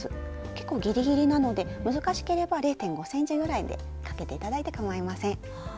結構ギリギリなので難しければ０．５ｃｍぐらいでかけて頂いてかまいません。